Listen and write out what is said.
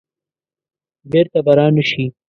بیرته به را نه شي.